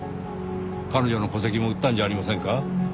彼女の戸籍も売ったんじゃありませんか？